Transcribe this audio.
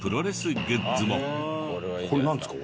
これなんですか？